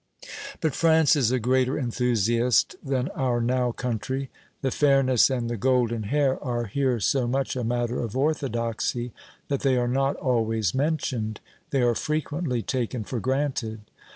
But France is a greater enthusiast than our now country. The fairness and the golden hair are here so much a matter of orthodoxy, that they are not always mentioned; they are frequently taken for granted.